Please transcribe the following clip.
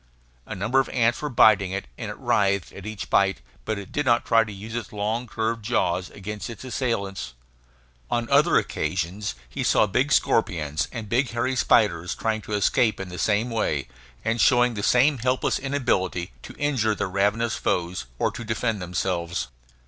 A number of ants were biting it, and it writhed at each bite, but did not try to use its long curved jaws against its assailants. On other occasions he saw big scorpions and big hairy spiders trying to escape in the same way, and showing the same helpless inability to injure their ravenous foes, or to defend themselves.